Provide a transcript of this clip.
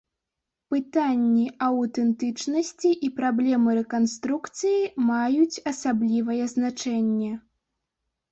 Пытанні аўтэнтычнасці і праблемы рэканструкцыі маюць асаблівае значэнне.